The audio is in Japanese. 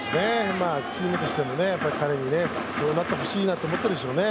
チームとして、彼にもこうなってほしいと思っているでしょうね。